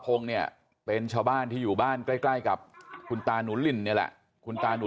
ทีนี้ส่องแกร่งให้คลุตกับของตายแต่แก่ไกร่าง